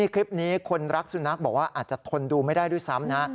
คลิปนี้คนรักสุนัขบอกว่าอาจจะทนดูไม่ได้ด้วยซ้ำนะ